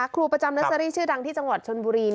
ครูประจำนักสริชื่อดังที่จังหวัดชนบุรี